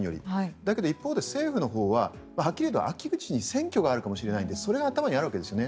だけど、一方で、政府のほうははっきり言って秋口に選挙があるかもしれないのでそれが頭にあるわけですね。